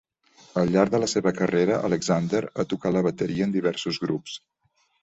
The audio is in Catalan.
Al llarg de la seva carrera, Alexander ha tocat la bateria en diversos grups.